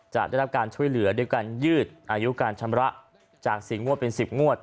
จะได้รับการช่วยเหลือด้วยการยืดอายุการชำระจาก๔งวดเป็น๑๐งวด